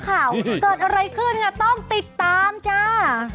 เกิดอะไรขึ้นะต้องติดตามจ้า